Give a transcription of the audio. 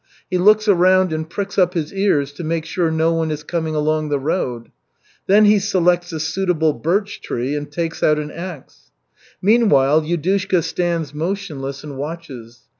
He looks around and pricks up his ears to make sure no one is coming along the road. Then he selects a suitable birch tree, and takes out an axe. Meanwhile Yudushka stands motionless and watches.